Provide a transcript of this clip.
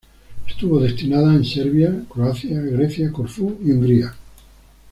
Estuvo destinada en Serbia, Croacia, Grecia, Corfú y Hungría.